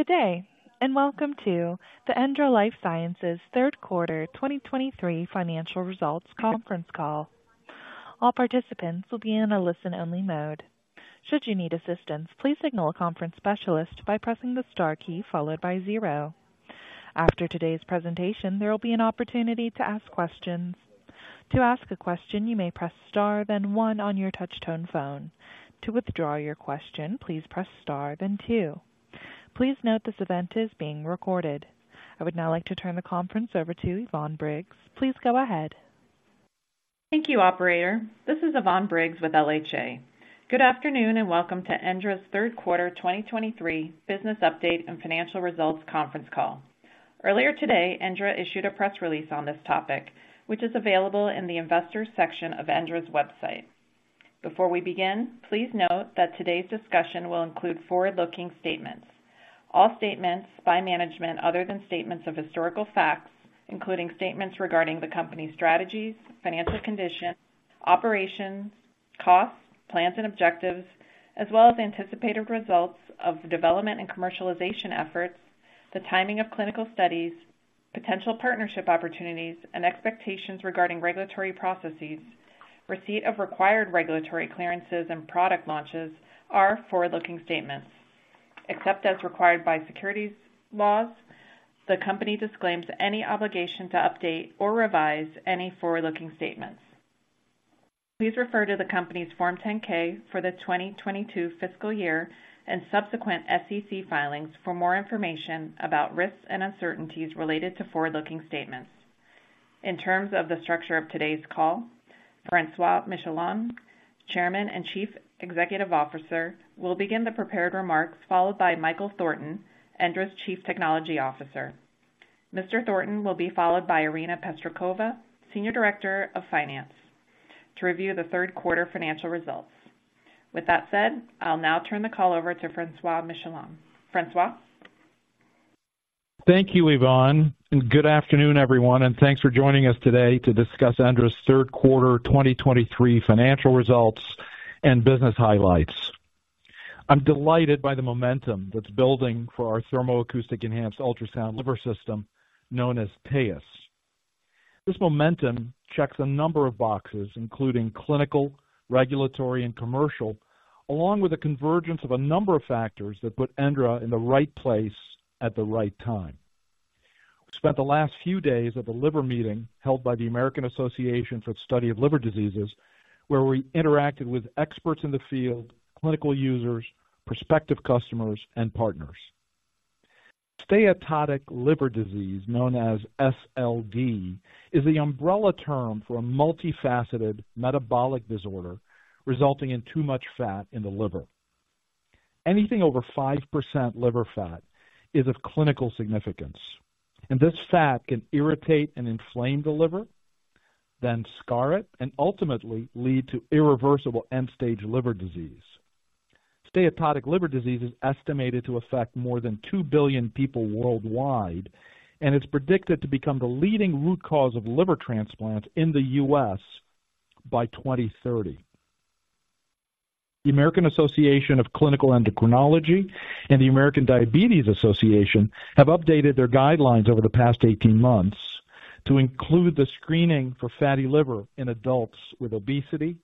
Good day, and welcome to the ENDRA Life Sciences third quarter 2023 financial results conference call. All participants will be in a listen-only mode. Should you need assistance, please signal a conference specialist by pressing the star key followed by zero. After today's presentation, there will be an opportunity to ask questions. To ask a question, you may press star, then one on your touchtone phone. To withdraw your question, please press star then two. Please note this event is being recorded. I would now like to turn the conference over to Yvonne Briggs. Please go ahead. Thank you, operator. This is Yvonne Briggs with LHA. Good afternoon, and welcome to ENDRA's third quarter 2023 business update and financial results conference call. Earlier today, ENDRA issued a press release on this topic, which is available in the Investors section of ENDRA's website. Before we begin, please note that today's discussion will include forward-looking statements. All statements by management other than statements of historical facts, including statements regarding the company's strategies, financial condition, operations, costs, plans, and objectives, as well as anticipated results of the development and commercialization efforts, the timing of clinical studies, potential partnership opportunities, and expectations regarding regulatory processes, receipt of required regulatory clearances and product launches are forward-looking statements. Except as required by securities laws, the company disclaims any obligation to update or revise any forward-looking statements. Please refer to the company's Form 10-K for the 2022 fiscal year and subsequent SEC filings for more information about risks and uncertainties related to forward-looking statements. In terms of the structure of today's call, Francois Michelon, Chairman and Chief Executive Officer, will begin the prepared remarks, followed by Michael Thornton, ENDRA's Chief Technology Officer. Mr. Thornton will be followed by Irina Pestrikova, Senior Director of Finance, to review the third quarter financial results. With that said, I'll now turn the call over to Francois Michelon. Francois? Thank you, Yvonne, and good afternoon, everyone, and thanks for joining us today to discuss ENDRA's third quarter 2023 financial results and business highlights. I'm delighted by the momentum that's building for our Thermoacoustic Enhanced Ultrasound Liver system, known as TAEUS. This momentum checks a number of boxes, including clinical, regulatory, and commercial, along with a convergence of a number of factors that put ENDRA in the right place at the right time. We spent the last few days at the liver meeting, held by the American Association for the Study of Liver Diseases, where we interacted with experts in the field, clinical users, prospective customers, and partners. Steatotic liver disease, known as SLD, is the umbrella term for a multifaceted metabolic disorder resulting in too much fat in the liver. Anything over 5% liver fat is of clinical significance, and this fat can irritate and inflame the liver, then scar it, and ultimately lead to irreversible end-stage liver disease. Steatotic Liver Disease is estimated to affect more than 2 billion people worldwide, and it's predicted to become the leading root cause of liver transplants in the U.S. by 2030. The American Association of Clinical Endocrinology and the American Diabetes Association have updated their guidelines over the past 18 months to include the screening for fatty liver in adults with obesity,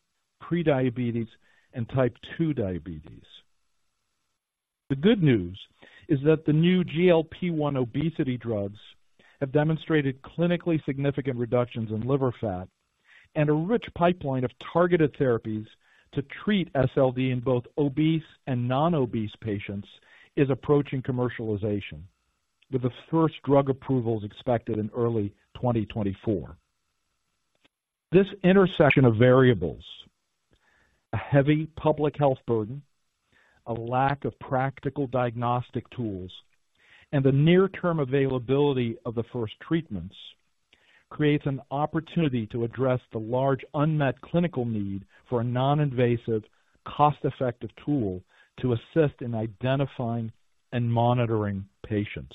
prediabetes, and type 2 diabetes. The good news is that the new GLP-1 obesity drugs have demonstrated clinically significant reductions in liver fat, and a rich pipeline of targeted therapies to treat SLD in both obese and non-obese patients is approaching commercialization, with the first drug approvals expected in early 2024. This intersection of variables, a heavy public health burden, a lack of practical diagnostic tools, and the near-term availability of the first treatments, creates an opportunity to address the large unmet clinical need for a non-invasive, cost-effective tool to assist in identifying and monitoring patients.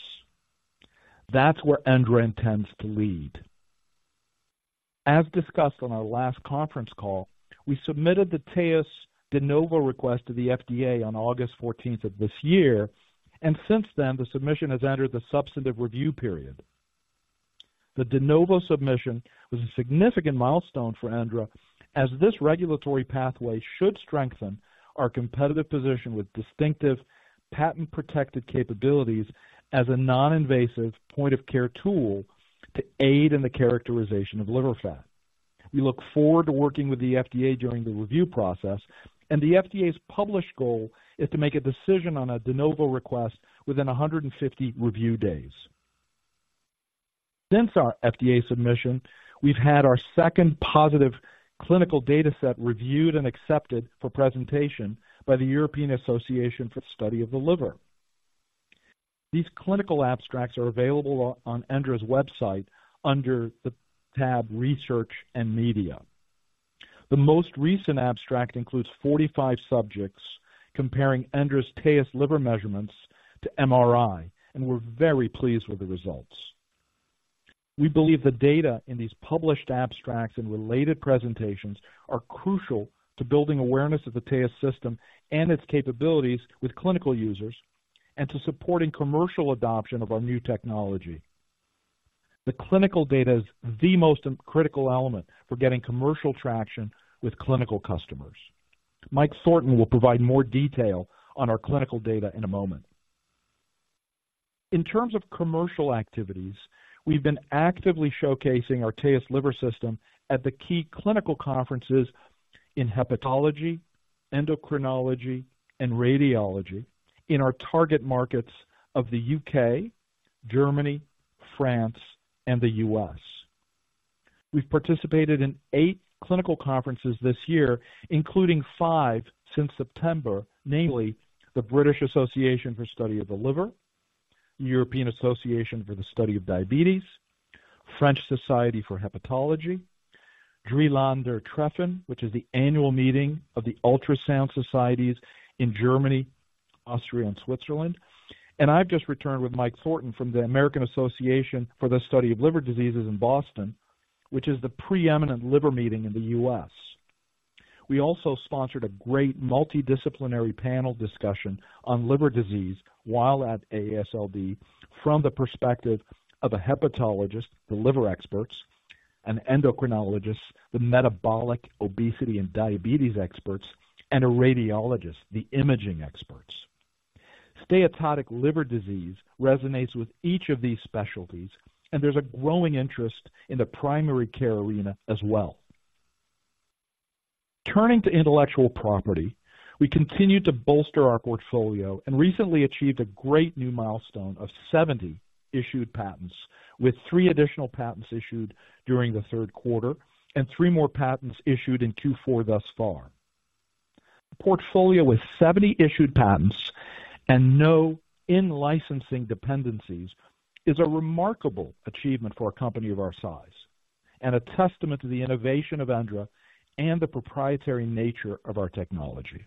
That's where ENDRA intends to lead. As discussed on our last conference call, we submitted the TAEUS de novo request to the FDA on August fourteenth of this year, and since then, the submission has entered the substantive review period. The de novo submission was a significant milestone for ENDRA, as this regulatory pathway should strengthen our competitive position with distinctive patent-protected capabilities as a non-invasive point-of-care tool to aid in the characterization of liver fat. We look forward to working with the FDA during the review process, and the FDA's published goal is to make a decision on a de novo request within 150 review days. Since our FDA submission, we've had our second positive clinical data set reviewed and accepted for presentation by the European Association for the Study of the Liver. These clinical abstracts are available on ENDRA's website under the tab Research and Media. The most recent abstract includes 45 subjects comparing ENDRA's TAEUS liver measurements to MRI, and we're very pleased with the results.... We believe the data in these published abstracts and related presentations are crucial to building awareness of the TAEUS system and its capabilities with clinical users, and to supporting commercial adoption of our new technology. The clinical data is the most critical element for getting commercial traction with clinical customers. Mike Thornton will provide more detail on our clinical data in a moment. In terms of commercial activities, we've been actively showcasing our TAEUS liver system at the key clinical conferences in hepatology, endocrinology, and radiology in our target markets of the U.K., Germany, France, and the U.S. We've participated in eight clinical conferences this year, including five since September, namely the British Association for the Study of the Liver, European Association for the Study of Diabetes, French Society for Hepatology, Dreiländertreffen, which is the annual meeting of the ultrasound societies in Germany, Austria, and Switzerland. I've just returned with Mike Thornton from the American Association for the Study of Liver Diseases in Boston, which is the preeminent liver meeting in the U.S. We also sponsored a great multidisciplinary panel discussion on liver disease while at AASLD, from the perspective of a hepatologist, the liver experts, an endocrinologist, the metabolic, obesity, and diabetes experts, and a radiologist, the imaging experts. Steatotic liver disease resonates with each of these specialties, and there's a growing interest in the primary care arena as well. Turning to intellectual property, we continue to bolster our portfolio and recently achieved a great new milestone of 70 issued patents, with 3 additional patents issued during the third quarter and 3 more patents issued in Q4 thus far. A portfolio with 70 issued patents and no in-licensing dependencies is a remarkable achievement for a company of our size and a testament to the innovation of ENDRA and the proprietary nature of our technology.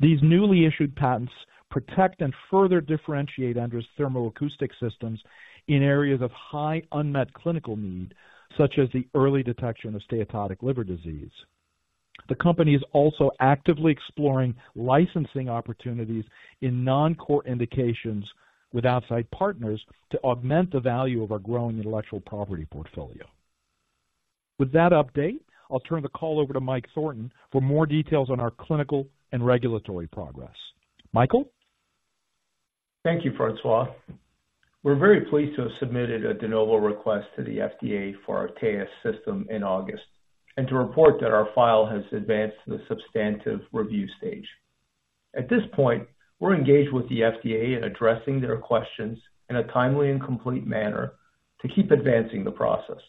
These newly issued patents protect and further differentiate ENDRA's thermoacoustic systems in areas of high unmet clinical need, such as the early detection of Steatotic liver disease. The company is also actively exploring licensing opportunities in non-core indications with outside partners to augment the value of our growing intellectual property portfolio. With that update, I'll turn the call over to Mike Thornton for more details on our clinical and regulatory progress. Michael? Thank you, Francois. We're very pleased to have submitted a de novo request to the FDA for our TAEUS system in August, and to report that our file has advanced to the substantive review stage. At this point, we're engaged with the FDA in addressing their questions in a timely and complete manner to keep advancing the process.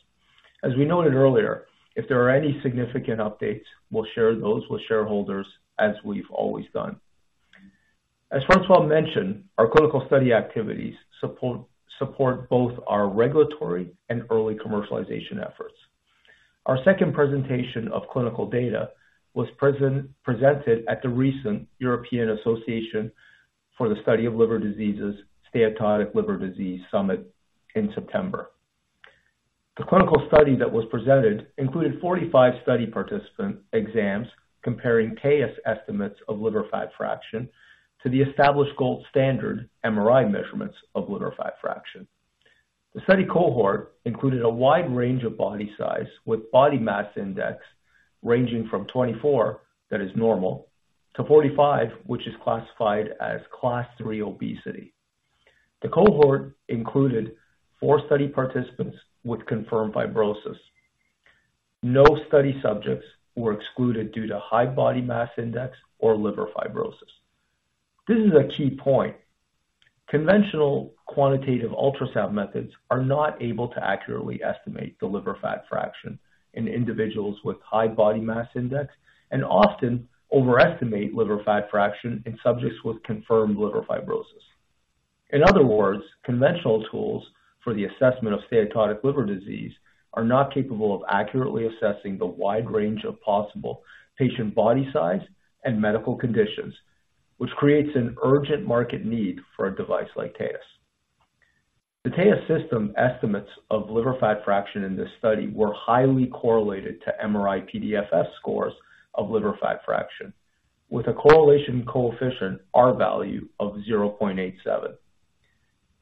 As we noted earlier, if there are any significant updates, we'll share those with shareholders, as we've always done. As Francois mentioned, our clinical study activities support both our regulatory and early commercialization efforts. Our second presentation of clinical data was presented at the recent European Association for the Study of the Liver, Steatotic Liver Disease Summit in September. The clinical study that was presented included 45 study participant exams, comparing TAEUS estimates of liver fat fraction to the established gold standard MRI measurements of liver fat fraction. The study cohort included a wide range of body size, with body mass index ranging from 24, that is normal, to 45, which is classified as Class III obesity. The cohort included 4 study participants with confirmed fibrosis. No study subjects were excluded due to high body mass index or liver fibrosis. This is a key point. Conventional quantitative ultrasound methods are not able to accurately estimate the liver fat fraction in individuals with high body mass index, and often overestimate liver fat fraction in subjects with confirmed liver fibrosis. In other words, conventional tools for the assessment of Steatotic liver disease are not capable of accurately assessing the wide range of possible patient body size and medical conditions, which creates an urgent market need for a device like TAEUS. The TAEUS system estimates of liver fat fraction in this study were highly correlated to MRI-PDFF scores of liver fat fraction, with a correlation coefficient R value of 0.87.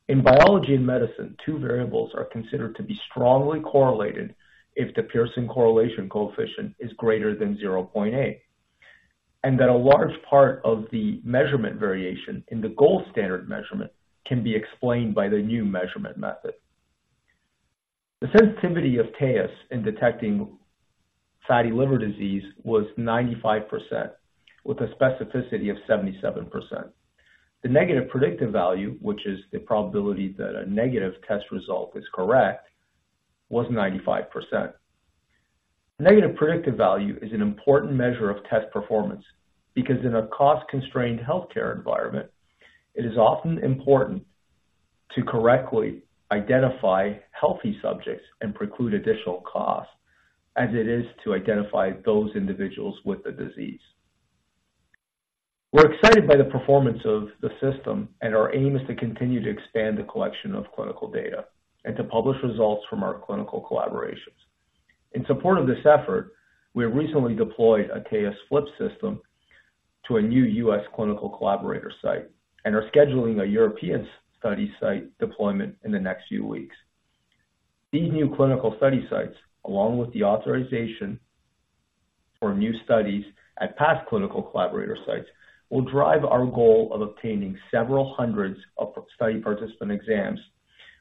In biology and medicine, two variables are considered to be strongly correlated if the Pearson correlation coefficient is greater than 0.8, and that a large part of the measurement variation in the gold standard measurement can be explained by the new measurement method. The sensitivity of TAEUS in detecting fatty liver disease was 95%, with a specificity of 77%. The negative predictive value, which is the probability that a negative test result is correct, was 95%. Negative predictive value is an important measure of test performance because in a cost-constrained healthcare environment, it is often important to correctly identify healthy subjects and preclude additional costs, as it is to identify those individuals with the disease. We're excited by the performance of the system, and our aim is to continue to expand the collection of clinical data and to publish results from our clinical collaborations. In support of this effort, we have recently deployed a TAEUS system to a new U.S. clinical collaborator site and are scheduling a European study site deployment in the next few weeks. These new clinical study sites, along with the authorization for new studies at past clinical collaborator sites, will drive our goal of obtaining several hundreds of study participant exams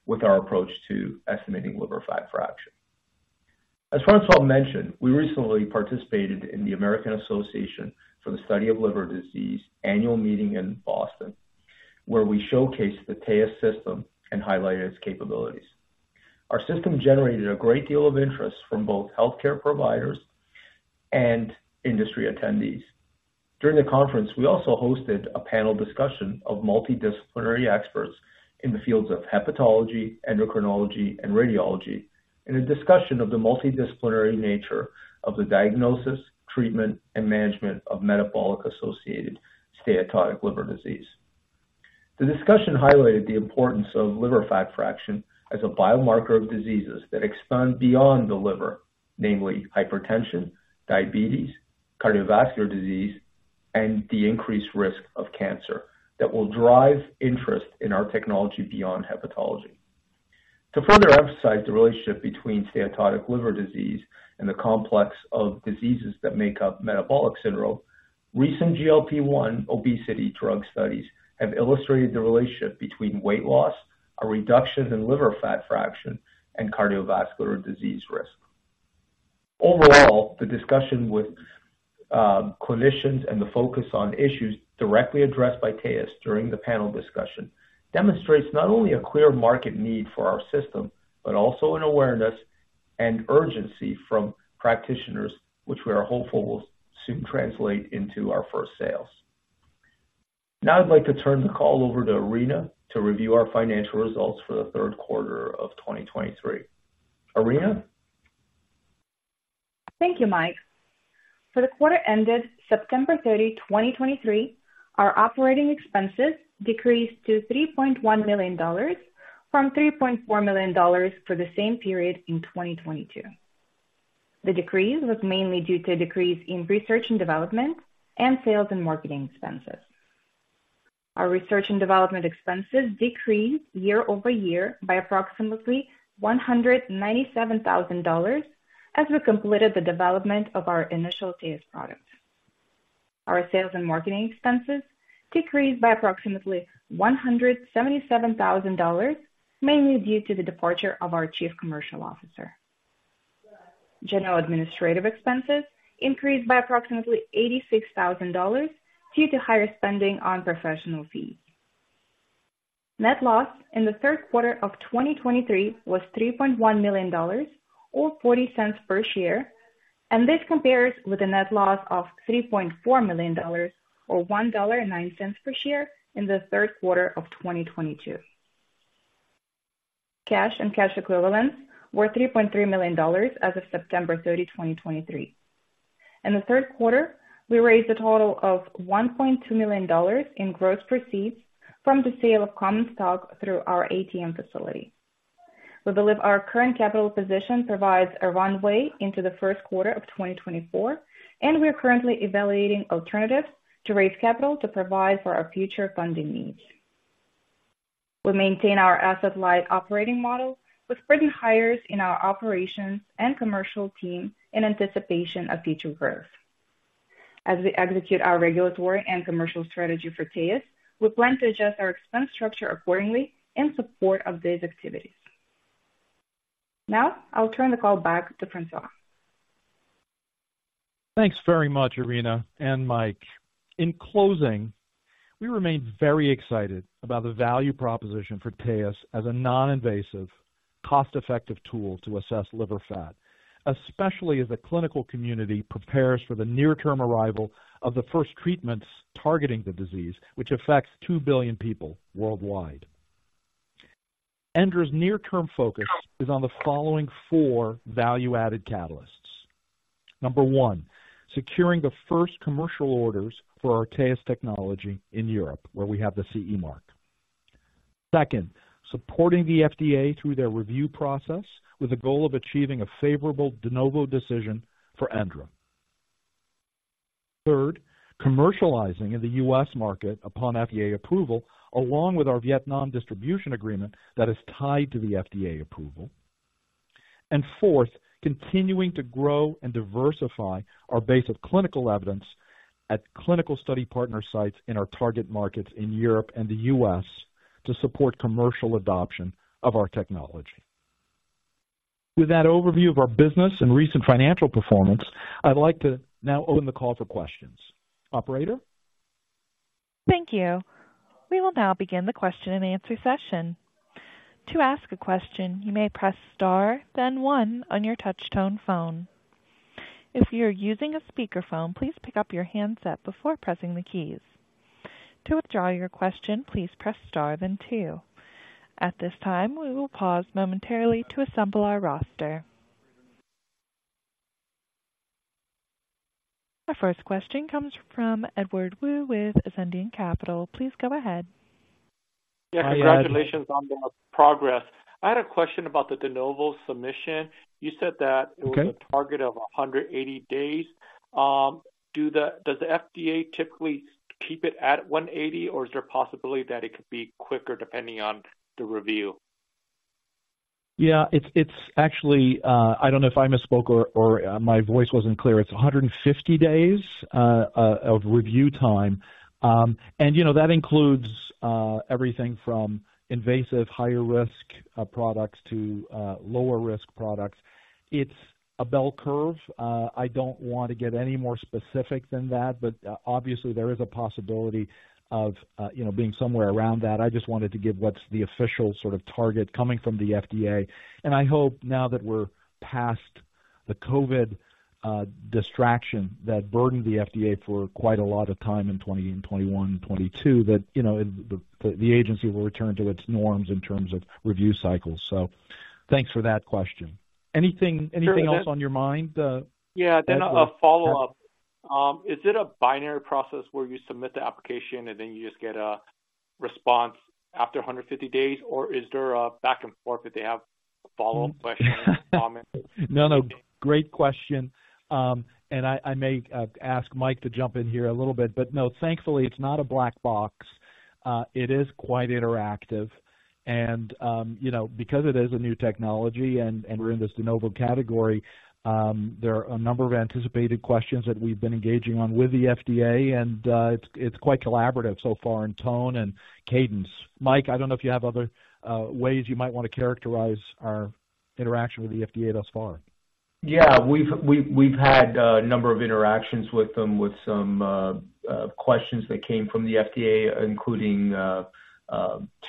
with our approach to estimating liver fat fraction. As Francois mentioned, we recently participated in the American Association for the Study of Liver Diseases annual meeting in Boston, where we showcased the TAEUS system and highlighted its capabilities. Our system generated a great deal of interest from both healthcare providers and industry attendees. During the conference, we also hosted a panel discussion of multidisciplinary experts in the fields of hepatology, endocrinology, and radiology, in a discussion of the multidisciplinary nature of the diagnosis, treatment, and management of metabolic-associated Steatotic liver disease. The discussion highlighted the importance of liver fat fraction as a biomarker of diseases that expand beyond the liver, namely hypertension, diabetes, cardiovascular disease, and the increased risk of cancer, that will drive interest in our technology beyond hepatology. To further emphasize the relationship between Steatotic liver disease and the complex of diseases that make up metabolic syndrome, recent GLP-1 obesity drug studies have illustrated the relationship between weight loss, a reduction in liver fat fraction, and cardiovascular disease risk. Overall, the discussion with clinicians and the focus on issues directly addressed by TAEUS during the panel discussion demonstrates not only a clear market need for our system, but also an awareness and urgency from practitioners, which we are hopeful will soon translate into our first sales. Now I'd like to turn the call over to Irina to review our financial results for the third quarter of 2023. Irina? Thank you, Mike. For the quarter ended September 30, 2023, our operating expenses decreased to $3.1 million from $3.4 million for the same period in 2022. The decrease was mainly due to a decrease in research and development and sales and marketing expenses. Our research and development expenses decreased year-over-year by approximately $197,000 as we completed the development of our initial TAEUS product. Our sales and marketing expenses decreased by approximately $177,000, mainly due to the departure of our chief commercial officer. General administrative expenses increased by approximately $86,000 due to higher spending on professional fees. Net loss in the third quarter of 2023 was $3.1 million or $0.40 per share, and this compares with a net loss of $3.4 million or $1.09 per share in the third quarter of 2022. Cash and cash equivalents were $3.3 million as of September 30, 2023. In the third quarter, we raised a total of $1.2 million in gross proceeds from the sale of common stock through our ATM facility. We believe our current capital position provides a runway into the first quarter of 2024, and we are currently evaluating alternatives to raise capital to provide for our future funding needs. We maintain our asset-light operating model with prudent hires in our operations and commercial team in anticipation of future growth. As we execute our regulatory and commercial strategy for TAEUS, we plan to adjust our expense structure accordingly in support of these activities. Now I'll turn the call back to Francois. Thanks very much, Irina and Mike. In closing, we remain very excited about the value proposition for TAEUS as a non-invasive, cost-effective tool to assess liver fat, especially as the clinical community prepares for the near-term arrival of the first treatments targeting the disease, which affects 2 billion people worldwide. ENDRA's near-term focus is on the following four value-added catalysts. Number one, securing the first commercial orders for our TAEUS technology in Europe, where we have the CE mark. Second, supporting the FDA through their review process with the goal of achieving a favorable de novo decision for ENDRA. Third, commercializing in the U.S. market upon FDA approval, along with our Vietnam distribution agreement that is tied to the FDA approval. And fourth, continuing to grow and diversify our base of clinical evidence at clinical study partner sites in our target markets in Europe and the U.S. to support commercial adoption of our technology. With that overview of our business and recent financial performance, I'd like to now open the call for questions. Operator? Thank you. We will now begin the question-and-answer session. To ask a question, you may press star, then one on your touch tone phone. If you are using a speakerphone, please pick up your handset before pressing the keys. To withdraw your question, please press star then two. At this time, we will pause momentarily to assemble our roster. Our first question comes from Edward Woo with Ascendiant Capital. Please go ahead. Yeah, congratulations on the progress. I had a question about the De Novo submission. You said that- Okay. It was a target of 180 days. Does the FDA typically keep it at 180, or is there a possibility that it could be quicker, depending on the review? Yeah, it's actually, I don't know if I misspoke or my voice wasn't clear. It's 150 days of review time. And, you know, that includes everything from invasive higher-risk products to lower-risk products. It's a bell curve. I don't want to get any more specific than that, but obviously, there is a possibility of, you know, being somewhere around that. I just wanted to give what's the official sort of target coming from the FDA. And I hope now that we're past the COVID distraction that burdened the FDA for quite a lot of time in 2020 and 2021 and 2022, that, you know, the agency will return to its norms in terms of review cycles. So thanks for that question. Anything else on your mind? Yeah, then a follow-up. Is it a binary process where you submit the application, and then you just get a response after 150 days, or is there a back and forth if they have follow-up questions or comments? No, no. Great question. And I, I may ask Mike to jump in here a little bit, but no, thankfully, it's not a black box. It is quite interactive and, you know, because it is a new technology and, and we're in this De Novo category, there are a number of anticipated questions that we've been engaging on with the FDA, and, it's, it's quite collaborative so far in tone and cadence. Mike, I don't know if you have other, ways you might want to characterize our interaction with the FDA thus far. Yeah, we've had a number of interactions with them with some questions that came from the FDA, including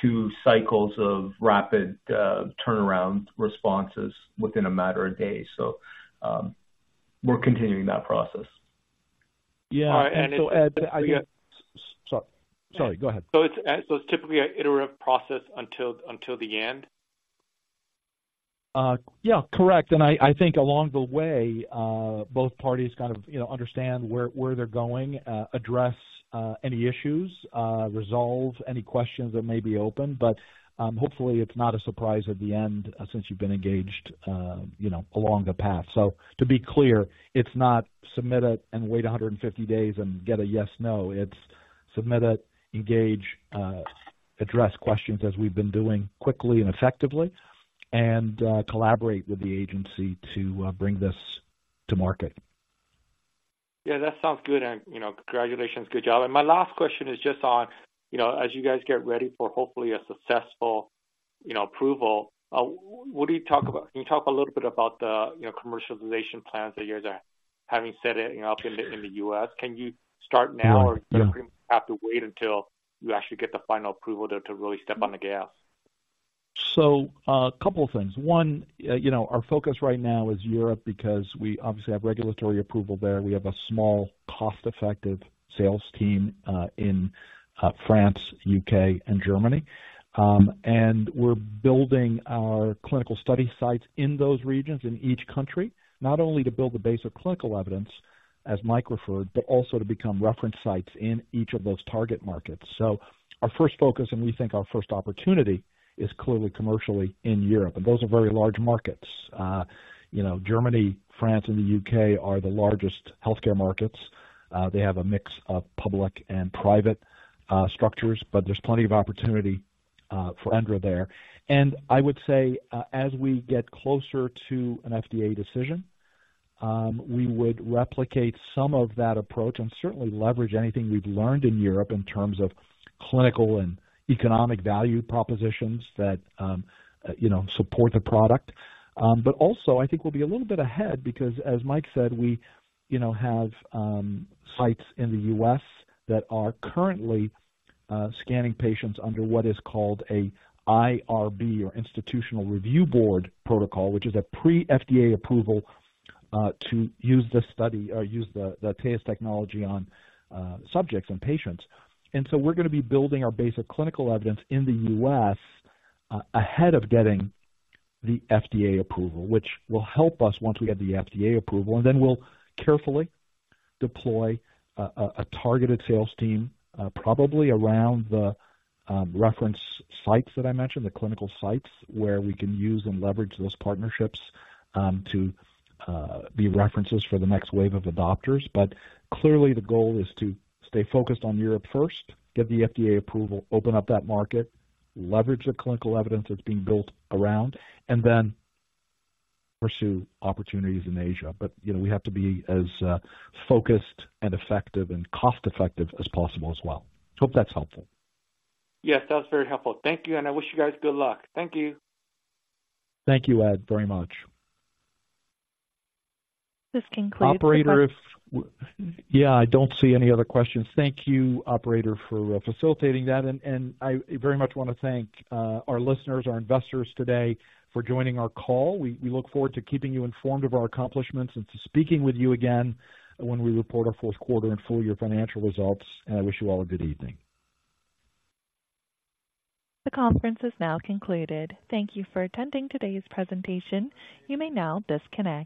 2 cycles of rapid turnaround responses within a matter of days. So, we're continuing that process. Yeah. And so, Ed, I guess... Sorry. Sorry, go ahead. So it's typically an iterative process until the end? Yeah, correct. And I think along the way, both parties kind of, you know, understand where they're going, address any issues, resolve any questions that may be open. But, hopefully, it's not a surprise at the end since you've been engaged, you know, along the path. So to be clear, it's not submit it and wait 150 days and get a yes, no. It's submit it, engage, address questions as we've been doing quickly and effectively, and, collaborate with the agency to, bring this to market. Yeah, that sounds good. And, you know, congratulations. Good job. And my last question is just on, you know, as you guys get ready for hopefully a successful, you know, approval, what do you talk about... Can you talk a little bit about the, you know, commercialization plans that you guys are having set it, you know, up in the, in the US? Can you start now- Yeah. Or do you have to wait until you actually get the final approval to really step on the gas? So, a couple of things. One, you know, our focus right now is Europe, because we obviously have regulatory approval there. We have a small, cost-effective sales team in France, U.K., and Germany. And we're building our clinical study sites in those regions, in each country, not only to build a base of clinical evidence, as Mike referred, but also to become reference sites in each of those target markets. So our first focus, and we think our first opportunity, is clearly commercially in Europe, and those are very large markets. You know, Germany, France, and the U.K. are the largest healthcare markets. They have a mix of public and private structures, but there's plenty of opportunity for ENDRA there. And I would say, as we get closer to an FDA decision, we would replicate some of that approach and certainly leverage anything we've learned in Europe in terms of clinical and economic value propositions that, you know, support the product. But also, I think we'll be a little bit ahead because, as Mike said, we, you know, have sites in the U.S. that are currently scanning patients under what is called an IRB or Institutional Review Board protocol, which is a pre-FDA approval to use this study or use the TAEUS technology on subjects and patients. And so we're going to be building our base of clinical evidence in the U.S., ahead of getting the FDA approval, which will help us once we get the FDA approval. And then we'll carefully deploy a targeted sales team, probably around the reference sites that I mentioned, the clinical sites, where we can use and leverage those partnerships, to be references for the next wave of adopters. But clearly, the goal is to stay focused on Europe first, get the FDA approval, open up that market, leverage the clinical evidence that's being built around, and then pursue opportunities in Asia. But, you know, we have to be as focused and effective and cost-effective as possible as well. So hope that's helpful. Yes, that was very helpful. Thank you, and I wish you guys good luck. Thank you. Thank you, Ed, very much. This concludes- Operator, yeah, I don't see any other questions. Thank you, operator, for facilitating that. And I very much want to thank our listeners, our investors today, for joining our call. We look forward to keeping you informed of our accomplishments and to speaking with you again when we report our fourth quarter and full year financial results. And I wish you all a good evening. The conference is now concluded. Thank you for attending today's presentation. You may now disconnect.